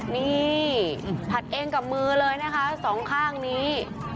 นี่ผัดเองกับมือเลยนะคะสองข้างนี้